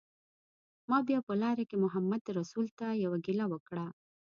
ما بیا په لاره کې محمدرسول ته یوه ګیله وکړه.